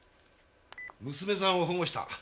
娘さんを保護した。